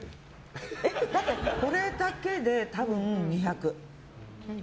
だって、これだけで多分２００。